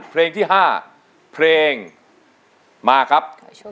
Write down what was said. เพลงที่๕เพลงมาครับ